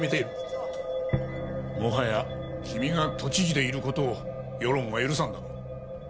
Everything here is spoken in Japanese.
もはや君が都知事でいる事を世論は許さんだろう。